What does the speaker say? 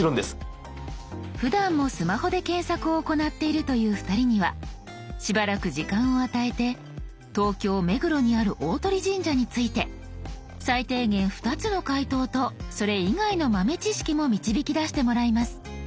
ふだんもスマホで検索を行っているという２人にはしばらく時間を与えて東京目黒にある大鳥神社について最低限２つの回答とそれ以外の豆知識も導き出してもらいます。